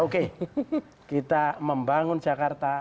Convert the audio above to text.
oke kita membangun jakarta